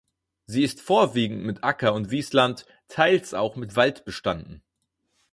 Sie ist vorwiegend mit Acker- und Wiesland, teils auch mit Wald bestanden.